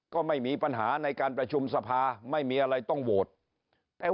ก็ไม่มีปัญหาในการประชุมสภาไม่มีอะไรต้องโหวตแต่